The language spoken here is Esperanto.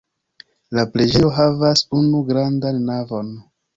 La preĝejo havas unu grandan navon.